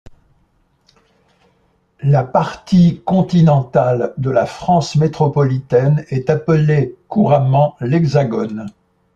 La partie continentale de la France métropolitaine est appelée couramment l'Hexagone.